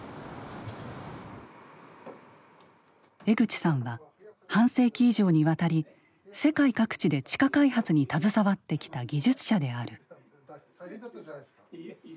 江口さんは半世紀以上にわたり世界各地で地下開発に携わってきた技術者である。